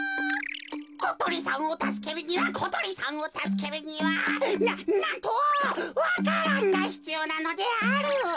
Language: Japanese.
ことりさんをたすけるにはことりさんをたすけるにはななんとわか蘭がひつようなのである。